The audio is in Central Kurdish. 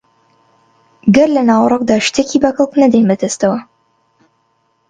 گەر لە ناوەڕۆکدا شتێکی بە کەڵک نەدەین بەدەستەوە